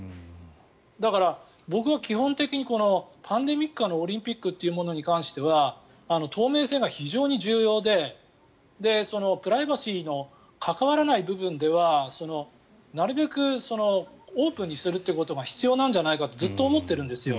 だから、僕は基本的にパンデミックでのオリンピックというものに関しては透明性が非常に重要でプライバシーの関わらない部分ではなるべくオープンにするということが必要なんじゃないかとずっと思っているんですよ。